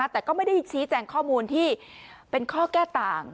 แต่ก็ไม่ได้ชี้แจงข้อมูลที่เป็นข้อแก้ต่าง